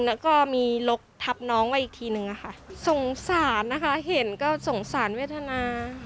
แล้วก็มีลกทับน้องไว้อีกทีนึงอะค่ะสงสารนะคะเห็นก็สงสารเวทนา